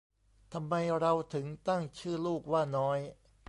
ทำไมเราถึงตั้งชื่อลูกว่าน้อย